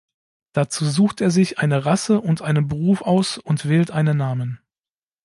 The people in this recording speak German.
Dazu sucht er sich eine Rasse und einen Beruf aus und wählt einen Namen.